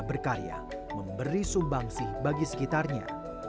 berkarya memberi sumbang sih bagi sekitarnya